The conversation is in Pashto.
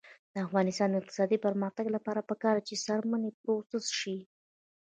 د افغانستان د اقتصادي پرمختګ لپاره پکار ده چې څرمنې پروسس شي.